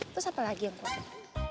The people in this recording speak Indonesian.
terus apa lagi yang keluar